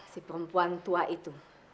si perempuan tua itu